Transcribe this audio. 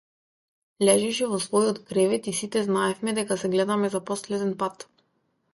Лежеше во својот кревет и сите знаевме дека се гледаме за последен пат.